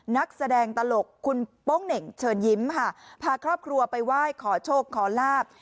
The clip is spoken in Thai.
นักแสดงตลกคุณโป้งเหน่งเชิญยิ้มค่ะพาครอบครัวไปไหว้ขอโชคขอลาบ